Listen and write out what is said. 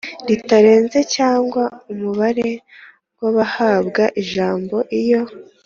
ritarenza cyangwa umubare w abahabwa ijambo iyo